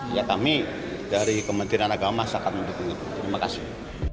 ya kami dari kementerian agama sangat mendukung itu terima kasih